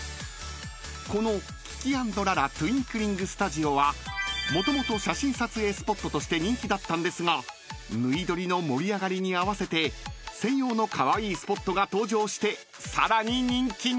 ［このＫｉｋｉ＆Ｌａｌａトゥインクリングスタジオはもともと写真撮影スポットとして人気だったんですがぬい撮りの盛り上がりに合わせて専用のカワイイスポットが登場してさらに人気に］